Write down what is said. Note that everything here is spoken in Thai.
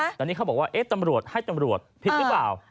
ตอนนี้เขาบอกว่าตำรวจให้ตำรวจผิดหรือเปล่า